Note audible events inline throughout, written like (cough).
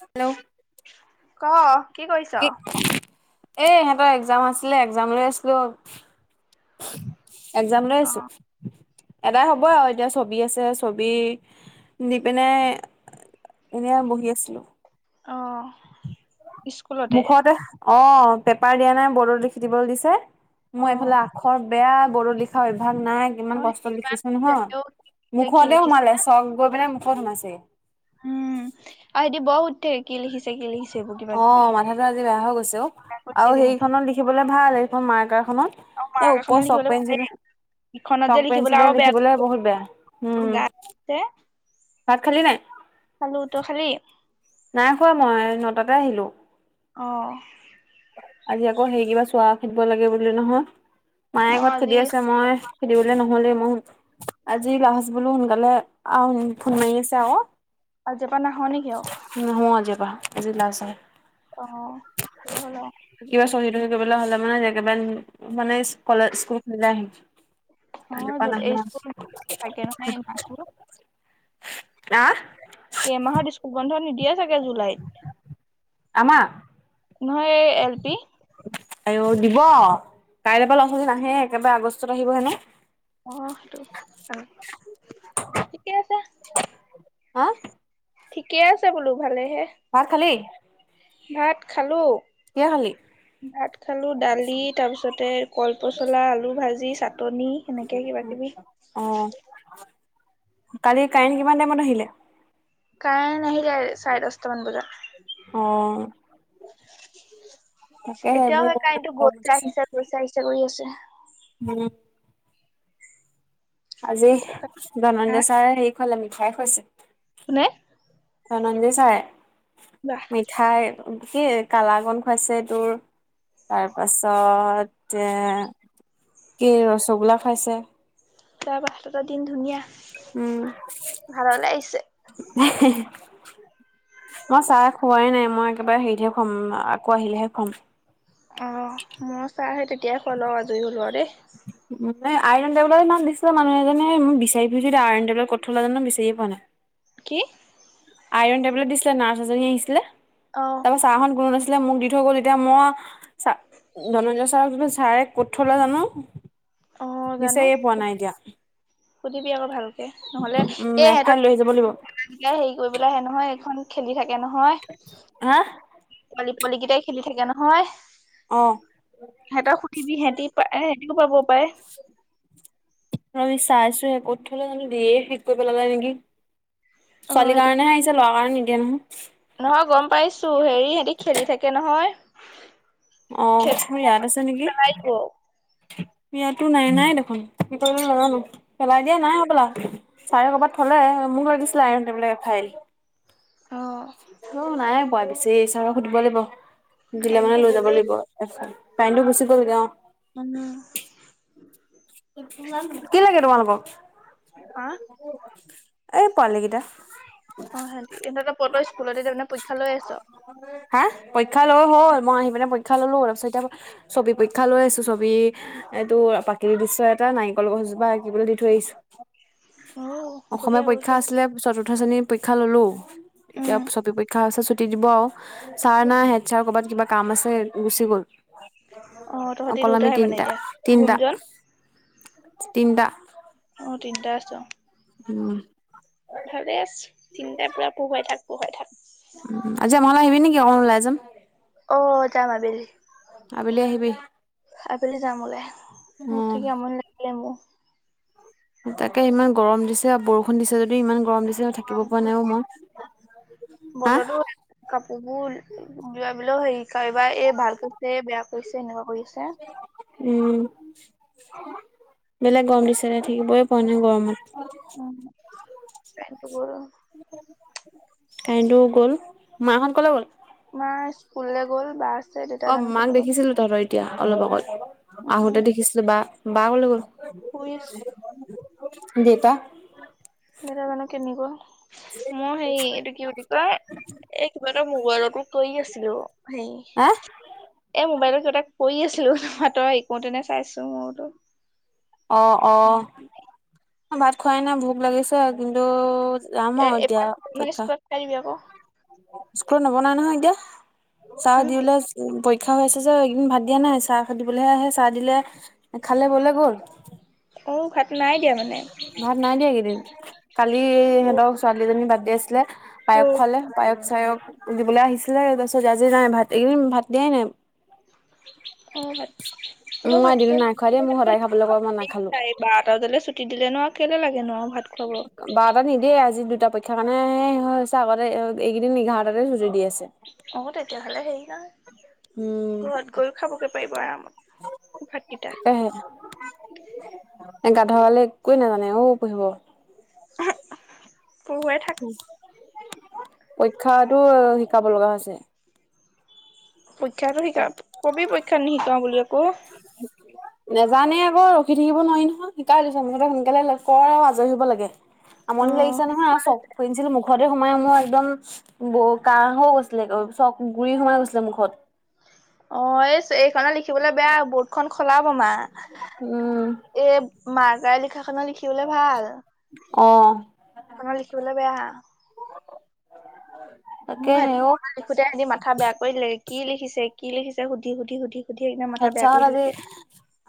Hello? ক? কি কৰি (unintelligible) এ, এহেঁ‌তৰ একজাম আছিলে, একজাম লৈ আছিলোঁ। একজাম লৈ অ আছোঁ। এদাই হ'ব আৰু এতিয়া, ছবি আছে, ছবি দি পিনে এনেয়ে বহি আছিলোঁ। অ'! মুখতে, অ'! পেপাৰ দিয়া নাই, বৰ্ডত লিখি দিবলৈ দিছে। অ মই এইফালে আ আখৰ বেয়া, বৰ্ডত লিখা অভ্যাস নাই। অ ইমান কষ্টত লিখিছো, নহয়! জানিলেও কি লিখিছে কি মুখতে লিখিছে সোমালে, চব গৈ পেলাই, মুখত সোমাইছে। উম! আৰু এতিয়া বহুত তে কি লিখিছে-কি লিখিছে, এইবোৰ অ কিবা-কিবি? মাথাটো আজি বেয়া হৈ গৈছে অ কৈ আৰু থাকে সিহঁতি। সেইখনত লিখিবলে ভাল, এইখন মাৰ্কাৰ খনত। আৰু এ, মাৰ্ক এখনত ওপৰৰ চক লিখিবলৈ ভালেই পেঞ্চিলে ইখনত চক যে লিখিবলৈ পেঞ্চিলে আৰু লিখিবলে বহুত বেয়া, উমঁ। তে ভাত খালি নাই? খালো, তই খালি? নাই খোৱা মই, নটাতে আহিলো। অ'। আজি আকৌ সেই কিবা চোৱা খেদিব লাগে বুলি নহয়, মায়ে অ ঘৰত আজি খেদি আছে মই- খেদিবলৈ নহ'লেই, মই আজি লাষ্ট বোলো সোনকালে আ' ফোন মাৰি আছে আক'। আজিৰ পৰা নাখাওঁ নেকি আৰু? নাহো আজিৰ পৰা আজি লাষ্ট হয়। অ', তেতিয়া হ'লে অ', কিবা চহী-তহি কৰিবলৈ হ'লে মানে একেবাৰে মানে কলেজ স্কুল খুলিলে আহিম। কাইলৈৰ পৰা অ এই নাহো আও। স্কুল থাকে নহয় এই মাহটো হাঁ? এই মাহত স্কুল বন্ধ নিদিয়ে চাগে জুলাইত। আমাৰ নহয়, এই এল পি। আৰু দিব, কাইলৈ পৰা ল'ৰা-ছোৱালী নাহে একেবাৰে আগষ্টত আহিব হেনো। অ', সেইটো কথা আৰু ঠিকে আছে। হাঁ? ঠিকে আছে বোলো ভালে'হে। ভাত খালি? ভাত খালোঁ। কিহে খালি? ভাত খালো, দালি তাৰ পিছতে কল পচলা, আলু ভাজি, চাট- নি। অ', কালি কাৰেণ্ট কিমান টাইমত আহিলে? কাৰেন্ট আহিলে চাৰে দচটামান বজাত। অঁ',। এতিয়াও সেই কাৰেন্ট টো গৈছে, আহিচে, গৈছে, আহিচে কৰি আছে। (unintelligible) আজি ধনঞ্জয় ছাৰে হেৰি খুৱালে মিঠাই খুৱাইছে। কোনে? ধনঞ্জয় চাৰে। বাহ মিঠাই কি কালাকান খুৱাইছে তোৰ- তাৰ পাছতে কি ৰসগোল্লা খুৱাইছে। তাৰপাছত দিন ধুনীয়া। উমঁ। ঘৰলে আহিছে। হে-হে-হে। মই চাহ খুওৱাই নাই, মই একেবাৰে হেৰিতহে খুৱাম আকৌ আহিলে'হে খুৱাম। অ', মই চাহ সেই তেতিয়াই খোৱাই লৈ আজৰি হ'লো আৰু দেই। (unintelligible) আইৰণ টেবলেত সিদিনা দিছিলে মানুহ এজনে বিচাৰি ফুৰিছো আইৰণ টেবলেত ক'ত থ'লে জানো বিচাৰিয়ে পোৱা নাই। (unintelligible) কি? আইৰণ টেবলেট দিছিলে নাৰ্ছ এজনী আহিছিলে, অ তাৰপাছত ছাৰহঁত কোনো নাছিলে - মোক দি থৈ গ'ল তেতিয়া মই চা' ধনঞ্জয় ছাৰক দিলো ছাৰে ক'ত থ'লে জানো। অ বিচাৰিয়ে জানো পোৱা নাই এতিয়া। সুধিবি আকৌ ভালকে নহ'লে উম এ এফাইল এহঁতৰ লৈ যাব লাগিব (unintelligible) এয়া হেৰি, কৰিবলৈ আহে নহয় এইখন খেলি থাকে নহয়। হা? পোৱালি পোৱালি কেইটাই খেলি থাকে নহয়। অ'। সিহঁতক সোধিবি সেহেতি এ (unintelligible) (unintelligible) চাইছোঁ হে ক'ত থ'লে জানো, দিয়ে শেষ কৰি পেলালে নেকি, অ ছোৱালীৰ সিহঁতি কাৰণেহে আহিছে ল'ৰা কাৰণে নিদিয়ে নহয়। নহয় গ'ম পাইছো হেৰি, সিহঁতি খেলি থাকে নহয়। অ', খেলি মোৰ ইয়াত আছে নেকি? পেলাই দিব অ ইয়াতো নাই নাই দেখোন কি কৰিলে নাজানো পেলাই দিয়া নাই হ'বলা। চাৰে ক'বাত থ'লে মোক লাগিছিলে আইৰণ টেবলেট এফাইল। ৰ' নায়ে পোৱা বিচাৰি চাৰক সুধিব লাগিব দিলে মানে কাৰেণ্টটো লৈ যা গ'লেই ব এফাল টামটো গুচি গ'ল গে অ'। (unintelligible) কি লাগে তোমালোকক? অ'। এই পোৱালি গিটা। অ', হেতি (unintelligible) স্কুল (unintelligible) পৰীক্ষা লৈ আছ? হা? পৰীক্ষা লৈ হ'ল মই আহি পিনে পৰীক্ষা ল'লো তাৰপিছত এতিয়া ছবি পৰীক্ষা লৈ আছো ছবি এই তোৰ প্ৰাকৃতিক দৃ্ শ্য এটা নাৰিকল গছজোপা আঁকিবলৈ দি থৈ আহিছো, অ অসমীয়া বঢ়িয়া পৰীক্ষা বঢ়িয়া আছিলে চ চতুৰ্থ শ্ৰেণীৰ পৰীক্ষা ল'লোঁ এতিয়া উম ছবি পৰিক্ষা আছে ছুটি দিব আৰু। ছাৰ নাই হেড ছাৰ কৰ'বাত কিবা কাম আছে গুচি গ'ল। অ তহঁতি অকল আমি দুটাহে মানে তিনিটা এতিয়া তিনিটা গুণজন তিনিটা। অ', তিনটা আছ। উম। ভালে আছ তিনতাই পুৰা পঢ়ুৱাই থাক পঢ়ুৱাই থাক। উম, উম, আজি আমাৰ ঘৰলে আহিবি নেকি অকমান ওলাই যাম? অ', যাম আবেলি। আবেলি আহিবি। আবেলি যাম ওলাই (unintelligible) উম থাকি আমনি লাগিলে মোৰ। তাকে ইমান গৰম দিছে বৰষুণ দিছে যদিও ইমান গৰম দিছে থাকিব পৰা নাই অ', মই। হা বতৰতো কাপোৰ বোৰ (unintelligible) হেৰি কবা এই ভাল কৈছে এই বেয়া কৈছে এনেকুৱা কৰি আছে। উম, বেলেগ গৰম দিছে থাকিবই পৰা নাই গৰমত। উম, কাৰেণ্টটো গ'ল। কাৰেণ্টটো গ'ল, মা হত কলৈ গ'ল? মা স্কুললে গ'ল বা দেউতা অ', জানো কেনি মাক গ'ল। দেখিছিলো তহঁতৰ এতিয়া অলপ আগত উম, আহোঁতে দেখিছিলো বা, বা ক'লে গ'ল? শুই আছে। দেউতা? দেতা জানো কেনি গ'ল? (inaudible) মই সেই এইটো কি বুলি কয়, এই কিবা এটা মোবাইলতো কৰি আছিলো হেৰি। আহ এ মোবাইলত কিবা এটা কৰি আছিলো তই শিকোতেনে চাইছো মোতো অ অ ভাত খোৱাই নাই ভোক লাগিছে আজি দিনতোত (inaudible) স্কুলত নবনায় নহয় এতিয়া চাহ দি আকৌ। লৈ উ পৰীক্ষা হৈ আছে যে এইকেইদিন ভাত দিয়া নাই চাহ দিবলৈহে আহে চাহ দিলে খালে বলে গ'ল অঁ ভাত নাই দিয়া মানে ভাত নাই দিয়া এইকেইদিন কালি এই ইহঁতৰ ছোৱালীজনীৰ বাৰ্থডে আছিলে পায়স উম। খোৱালে পায়স চায়স দিবলৈ আহিছিলে তাৰপিছত আজি নাই ভাত ইকেইদিন ভাত দিয়াই নাই অ ভাত হ'লেও মই ভাতটো এদিনো নাই খোৱা দেই মোক সদায় খাবলৈ ক‌য় মই নাখালো চাৰে বাৰটা বজালে ছুটী দিলেনো কেলে লাগেনো আৰু ভাত খুৱাব। (inaudible) আগত নিদিয়েই আজি দুটা পৰীক্ষা কাৰণেহে হৈছে আগতে ইকেইদিন এঘাৰটাতে চুটি দি আছে অ তেতিয়াহলে হেৰি নাই ঘৰত গৈও খাবগৈ পাৰিব আৰামত ভাতকেইটা। (inaudible) এই গাধডালে একোৱে নাজানে অ পঢ়িব (unintelligible) পঢ়ুৱাই থাক পৰীক্ষাতো শিকাব লগা হৈছে পৰীক্ষাটো শিকা কবি পৰীক্ষাত নিশিকাও বুলি আকৌ নেজানেই একো ৰখি থাকিব নোৱাৰি নহয় শিকাই লৈছো মুঠতে সোনকালে লে কৰ আৰু আজৰি হ'ব লাগে অ আমনি লাগিছে নহয় চক পেঞ্চিল মুখত এ সোমাই সোমাই একদম ব কাঁহ হৈ গৈছিলে চক গুৰি সোমাই গৈছিলে মুখত অ এই এইখনত লিখিবলৈ বেয়া বৰ্ডখন খলাবমা উম এ মাৰ্কাৰেৰে লিখাখনত লিখিবলৈ ভাল অ এখনত লিখিবলৈ বেয়া তাকেহে অ সুধি আজি মাথা বেয়া কৰি বেয়া কৰি দিলে কি লিখিছে কি লিখিছে সুধি সুধি সুধি সুধি একদম মাথা বেয়া কৰি দিলে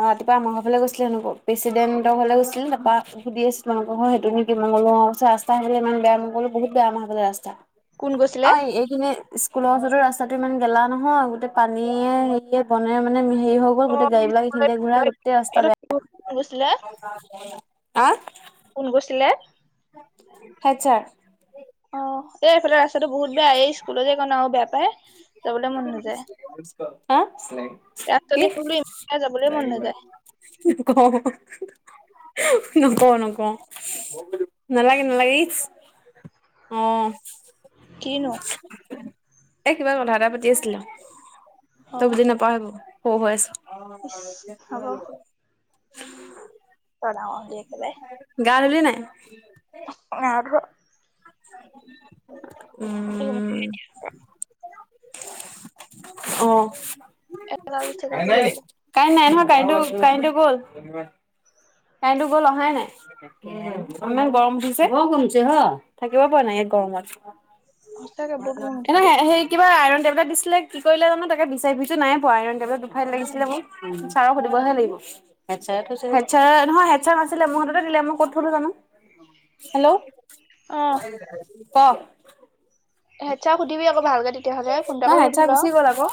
অ ৰাতিপুৱা আমাৰ ঘৰৰ ফালে গৈছিলে নবৈ প্ৰেচিডেন্টৰ ঘৰলৈ গৈছিল তাপা (unintelligible) আছিলে আমালোকৰ ঘৰ সেইটো (unintelligible) অ ৰাস্তা ইমান বেয়া মই বোলো বহুত বেয়া আমাৰ সিফালে ৰাস্তা কোন গৈছিলে অই এইখিনি স্কুলৰ ওচৰতে ৰাস্তাটো ইমান গেলা নহয় গোটেই পানীয়ে হেৰিয়ে ব (unintelligible) নাই মানে হেৰি (unintelligible) অ গোটেই গাড়ীবিলাক এইখিনিতে ঘূৰাই গোটেই ৰাস্তা বেয়া কোন গৈছিলে আ কোন গৈছিলে হেডচাৰ অ এ এইফালে ৰাস্তটো বহুত বেয়া এই স্কুলৰ এইকণ আৰু বেয়া পায় যাবলৈ মন নাযায় (unintelligible) আ ৰাস্তাতে বোলো ইমান বেয়া যাবলৈ মন কি নাযায় (unintelligible) (inaudible) নকও নকও নালাগে নালাগে ইচ্- অ কিনো এ কিবা কথা এটা পাতি আছিলো অ তই বুজি নাপাও ইচ হ'ব হেইবোৰ (unintelligible) বৰ ডাঙৰ হলি একেবাৰে গা ধুলি নাই? নাই ধোৱা। উম'। (unintelligible) কাৰেন্ট নাই নহয়, কাৰেন্টো জেগাটো ধুবলৈ কাৰেন্টো গ'ল। ধন্যবাদ। কাৰেণ্টো গ'ল অহাই নাই। ইমান গৰম উঠিছে, থাকিব পৰা নাই ইয়াত গৰমত। সঁচাকে বহুত গৰম এনে উঠিছে সেই সেই কিবা আইৰন টেবলেট দিছিলে কি কৰিলে জানো তাকে বিচাৰি ফুৰিছোঁ নাই পোৱা, আইৰন টেবলেট দুফাইল লাগিছিলে মোক। ছাৰক সুধিবহে লাগিব, হেডচাৰে থৈছে। চাৰে নহয় হেড চাৰ কৈছিলে, মোৰ হাততে দিলে মই ক'ত থলো জানো। হেল্ল', অ কওঁ? হেড চাৰক সুধিবি আক ভালকে তেতিয়াহলে, ফোনটা নাই কৰি হেড ছাৰ সুধি লওঁ, গুচি গ'ল আকৌ।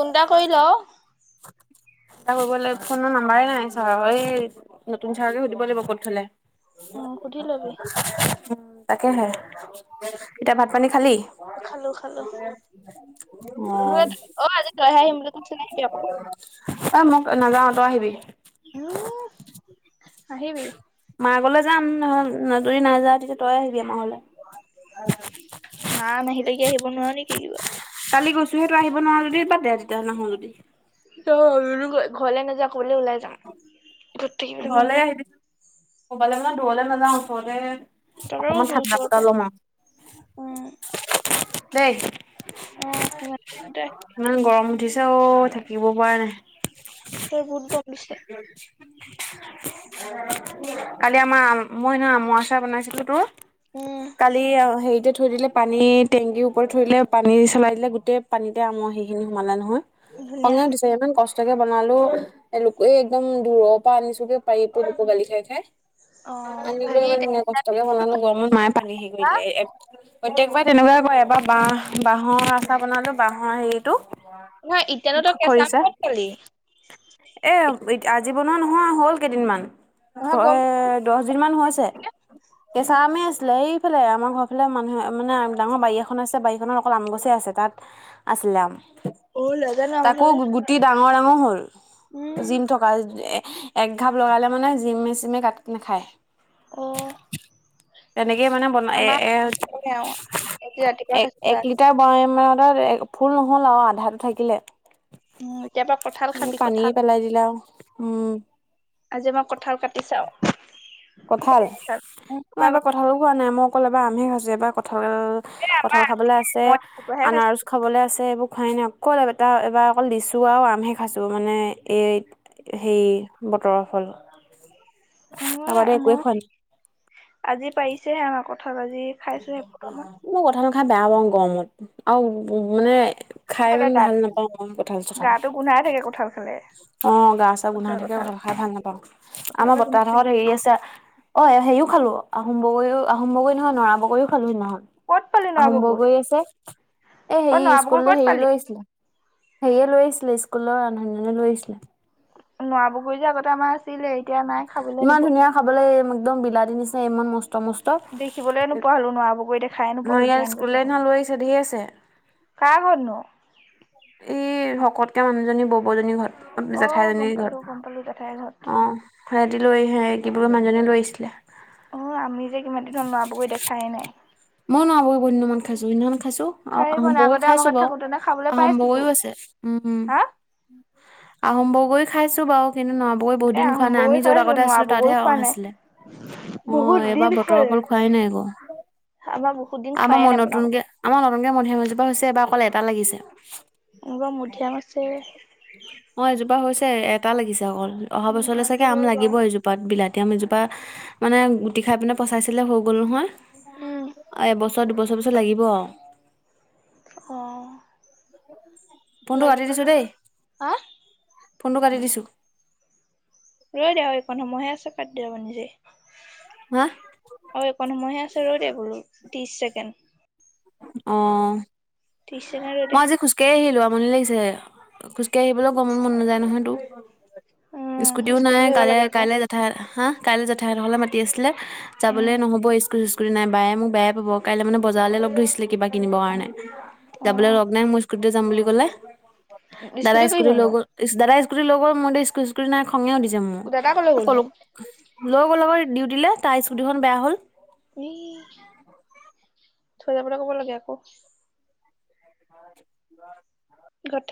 ফোনটা কৰি লওঁ। (unintelligible) এটা কৰিব লাগে, ফোনৰ নাম্বাৰ নাই ছাৰৰ, এই যতীন ছাৰকে সুধিব লাগিব ক'ত থলে। উম, সুধি লবি। তাকেহে, এতিয়া ভাত পানী খালি? খালো খালো, অ'। অ' আজি তই হে আহিম বুলি কৈছিলি, আহিবি আক। অ' মোক নাযাওঁ, তই আহিবি। উম' আহিবি। মা গ'লে যাম, নহ যদি নাযায় তেতিয়া তই আহিবি আমাৰ ঘৰলে। 'মা 'নাহিলে কি আহিব নোৱাৰ নেকি কিবা? কালি গৈছোহে, তই আহিব নোৱাৰ যদি বাদ দে তেতিয়া নাহ যদি। অ' ৰুলোঁ গৈ ঘৰলে নাযাওঁ, কবালে ওলাই যাওঁ। ঘৰলে আহিবি, কবালে মানে দূৰলে নাযাওঁ ওচৰতে তাকে অকমান কৈছো ঠাণ্ডা ওচৰতে। বতৰত লম উম, আৰু দেই? (unintelligible) ইমান গৰম উঠিছে অ' থাকিব পৰা নাই। এতিয়া বহুত গৰম দিছে। (unintelligible) কালি আমাৰ, মই সেইদিনা আমৰ আচাৰ বনাইছিলো তোৰ। উম, কালি হেৰিতে থৈ দিলে। পানী টেংকীৰ ওপৰত ধৰিলে পানী চলাই দিলে, গোটেই পানীতে আম সেইখিনি সোমালে নহয়। ধুনীয়া। খঙে উঠিছে, ইমান কষ্টকে বনালো এ লোকে একদম দূৰ আনিছোগে পাৰিটো লোকৰ গালি খাই খাই, অ', আনিলৈ হেৰি ইমান কষ্ট। ভাতকে বনালো গৰমত, মাই পানী সে কৰিলে এক প্ৰত্যেকবাৰে তেনেকুৱাই কৰে, এবাৰ বাঁহ বাঁহৰ আচাৰ বনালো বাঁহৰ হেৰিটো। নহয় ইতিয়ানো তই কেঁচা আম খৰিছা। ক'ত পালি? এ আজি বনোৱা নহয়, হ'ল কেইদিনমান। নহয় গম এ দহ দিনমান হৈছে। কেচা আমে আছিলে, এইফালে আমাৰ ঘৰ ফালে মানুহে মানে ডাঙৰ বাৰী এখন আছে। বাৰীখনত অকল আম গছে আছে, তাত আছিলে আম। অ', নাজানো আম তাকো আচাৰ। গুটি ডাঙৰ ডাঙৰ হ'ল। উম, জিম থকা। এ এক ঘাপ লগালে মানে জিমে চিমে কাটি নাখায়। অ'। তেনেকেই মানে বনাই আমাৰ এ এক একে আৰু। আজি ৰাতিপুৱা খাইছিলো। এক লি এতিয়াৰ (unintelligible) ফুল নহল আও আধাটো থাকিলে। উম, এতিয়াৰ পৰা কঁঠাল তুমি খাবি পানীয়ে কঁঠাল। পেলাই দিলা উম। আজি মই কঁঠাল কাটি চাওঁ। কঁঠাল, মই এবাৰ কঁঠালো খোৱা নাই, মই অকল এইবাৰ আমহে খাইছোঁ। এবাৰ কঁঠাল কঁঠাল আমাৰ খাবলে আছে, মই এটুকুৰাহে আনাৰস খাইছো খাবলে আছে, এইবোৰ খোৱাই নাই, অকল এবাৰ অকল লিচু আৰু আমহে খাইছোঁ মানে এই হেই, বতৰৰ ফল। তাৰ বাদে (unintelligible) একোৱে খোৱা মই নাই আজি পাৰিছেহে, আমাৰ কঁঠাল আজি। খাইছো এফুটামান মই কঁঠাল খায় বেয়া পাওঁ গৰমত, আৰু মানে খায় থাকে ইমান গাত ভাল নাপাওঁ মই কঁঠাল চঠাল। গাটো গোন্ধাই থাকে কঁঠাল খালে। অঁ, গা-চা গোন্ধাই থাকে কঁঠাল খায় ভাল নাপাওঁ। কঁঠাল আমাৰ খালে গোন্ধাই বৰ্তাহঁতৰ ঘৰত থাকে হেৰি আছে অ' হেৰিও খালো, আহোম বগৰীও, আহোম বগৰী নহয়, নৰা বগৰীও খালো সেইদিনাখন। ক'ত পালি নৰা আহোম বগৰী আছে, এ, অ হেৰি নৰা বগৰী স্কুললৈ ক'ত হেৰি পালি লৈ আহিছিলে। হেৰিয়ে লৈ আহিছিলে, স্কুলৰ ৰান্ধনীজনীয়ে লৈ আহিছিলে। নৰা বগৰী যে, আগতে আমাৰ আছিলে, এতিয়া নাই। খাবলৈ ইমান নোপোৱা ধুনীয়া খাবলৈ, একদম বিলাতী নিচিনা ইমান মস্ত, মস্ত! দেখিবলে নোপোৱা হ'লো নৰা বগৰী দেখাই নোপোৱা হ'লো, ইয়াত কিমান স্কুললৈ বছৰ হ'ল। সেইদিনা লৈ আহিছে ধেৰ আছে কাৰ ঘৰত নো? এই, শকতকে মানুহজনী, বৌবজনী ঘৰত, অ জেঠাই গম জনীৰ পালো গম পালো জেঠাইৰ ঘৰত অঁ। (unintelligible) (unintelligible) কিবোৰ মানুহজনে লৈ আহিছিলে। অঁ, আমি যে কিমানদিন হ'ল নৰা বগৰী দেখাই নাই। ময়ো নৰা বগৰী বহু দিন মূৰত খাইছোঁ। সেদিনাখন খাইছোঁ, আৰু খাৰেই আহোম বনাই বগৰী আগতে আমাৰ খাইছোঁ ঘৰত বাৰু। থাকোতেনে খাবলৈ আহোম পাইছিলো বগৰীও আছে উম, উম, হা আহোম বগৰী খাইছোঁ বাৰু। কিন্তু নৰা বগৰী বহুত এ দিন খোৱা আহোম নাই। বগৰী আমি য'ত খাইছো আগতে নৰা আছিলোঁ, বগৰী তাতহে খোৱা অহ, নাই আছিলে। অঁ বহুত এইবাৰ দিন খোৱা বতৰৰ ফল খোৱাই নাই আক। আমাৰ বহুত দিন খোৱাই নাই, বনাবলে। আমাৰ নতুনকে মধিয়াম এজোপা হৈছে, এবাৰ অকল এটা লাগিছে। এইবাৰ মধিয়াম আছে। অঁ, এজোপা হৈছে এটা লাগিছে অকল। অহা বছৰলে মধিয়ামটো চাগে আম হ'ল লাগিব বাৰু এজোপ পাত। বিলাতী আম এজোপা, মানে গুটি খায় পিনে পচাইছিলে হৈ গ'ল নহয়। উম এবছৰ দুবছৰ পিছত লাগিব আও। অঁ। ফোনটো কাটি দিছোঁ খালি দেই, হা ফোনটো কাটি দিছোঁ। ৰৈ দে, আৰু এইকণ সময়হে আছে, কাটি দিয়াব নিজেই। হা? আৰু এইকণ সময়হে আছে, ৰৈ দে বোলো। ত্ৰিশ ছেকেণ্ড। অঁ, ত্ৰিশ ছেকেণ্ড ৰৈ দে মই আজি খোজ কাঢ়ি আহিলো, আমনি লাগিছে। খোজকাঢ়ি আহিবলৈও গৰমত মন নাযায় নহয় তোৰ। স্কুটিও উম স্কুটি নাই, লৈ আহিব কাইলে, লাগে আকৌ কাইলে জেঠাই, হা, কাইলে জেঠাইহঁতৰ ঘৰলে মাতি আছিলে। যাবলে উম নহবয়ে, স্কুটি চিস্কুতি নাই। বায়ে মোক বেয়াই পাব কাইলৈ মানে বজাৰলে লগ ধৰিছিলে কিবা কিনিব কাৰণে। অ যাবলে লগ নাই, মোৰ স্কুটিতে যাম বুলি ক'লে। দাদাই কি স্কুটি লৈ হ'লনো গ'ল, ইচ, দাদাই স্কুটি লৈ গ'ল, মোৰ এতিয়া স্কুটি-চিস্কুতি নাই আকৌ। খঙে উঠিছে মোৰ, দাদা কলৈ গ'লনো ক'লো, লৈ গ'ল আকৌ ডিউটিলে, তাই স্কুটিখন বেয়া হ'ল। (unintelligible) থৈ যাবলৈ ক'ব লাগে আকৌ। (inaudible) (unintelligible)